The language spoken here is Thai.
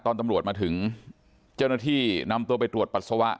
ตอนตำรวจมาถึงเจ้าหน้าที่นำตัวไปตรวจปัสสาวะ